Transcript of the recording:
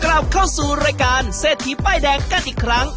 กลับเข้าสู่รายการเศรษฐีป้ายแดงกันอีกครั้ง